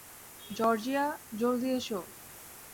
Georgia, জলদি এসো।